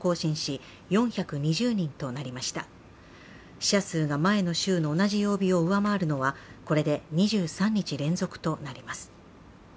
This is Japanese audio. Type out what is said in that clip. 死者数が前の週の同じ曜日を上回るのはこれで２３日連続となります。